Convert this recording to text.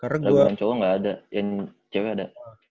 ragunan cowok gak ada yang cewek ada